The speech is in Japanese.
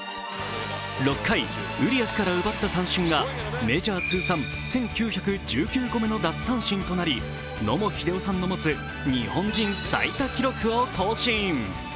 ６回、ウリアスから奪った三振がメジャー通算１９１９個目の奪三振となり野茂英雄さんの持つ日本人最多記録を更新。